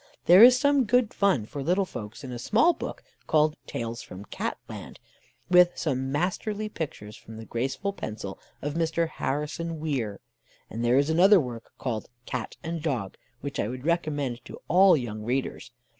There is some good fun for little folks in a small book called Tales from Catland, with some masterly pictures from the graceful pencil of Mr. Harrison Weir; and there is another work called Cat and Dog, which I would recommend to all young readers.